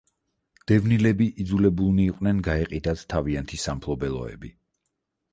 დევნილები იძულებულნი იყვნენ გაეყიდათ თავიანთი სამფლობელოები.